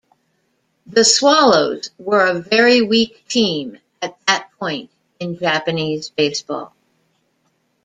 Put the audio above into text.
The Swallows were a very weak team at that point in Japanese baseball.